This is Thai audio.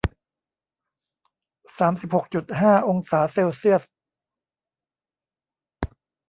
สามสิบหกจุดห้า องศาเซลเซียส